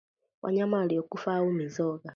Wanyama waliokufa au Mizoga